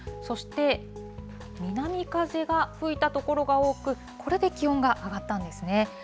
そして、南風が吹いた所が多く、これで気温が上がったんですね。